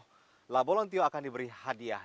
siapa yang membunuh la bolontio akan diberi hadiah